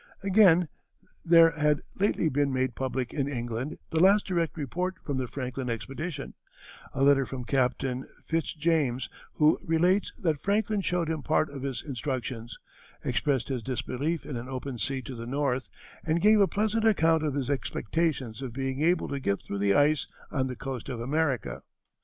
Again there had lately been made public in England the last direct report from the Franklin expedition a letter from Captain Fitzjames who relates that Franklin showed him part of his instructions, expressed his disbelief in an open sea to the north, and gave "a pleasant account of his expectations of being able to get through the ice on the coast of America."